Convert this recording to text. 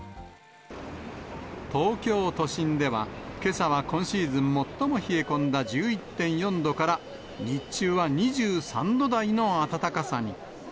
東京都心では、けさは今シーズン最も冷え込んだ１１．４度から、日中は２３度台の暖かさに。